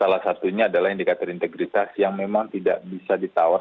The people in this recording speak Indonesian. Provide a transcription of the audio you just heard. salah satunya adalah indikator integritas yang memang tidak bisa ditawar